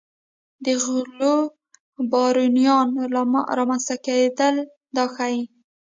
د غلو بارونیانو رامنځته کېدل دا ښيي.